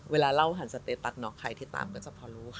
เวลาเล่ากันซะเตตักนอกใครตามก็จะรู้